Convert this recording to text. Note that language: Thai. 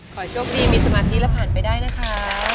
ขอให้โชคดีมีสมาธิและผ่านไปได้นะคะ